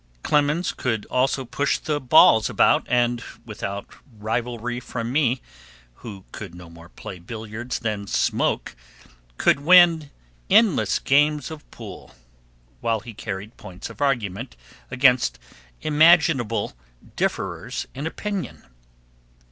Clemens could also push the balls about, and, without rivalry from me, who could no more play billiards than smoke, could win endless games of pool, while he carried points of argument against imaginable differers in opinion.